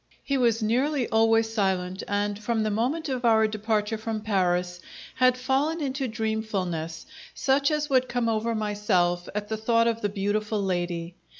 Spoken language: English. He was nearly always silent, and, from the moment of our departure from Paris, had fallen into dreamfulness, such as would come over myself at the thought of the beautiful lady.